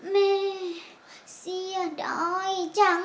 แม่เสียดอยจัง